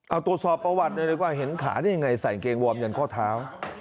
เอาตรวจสอบประวัติเลยดีกว่าเห็นขาได้ยังไงใส่เกงวอร์มยันข้อเท้า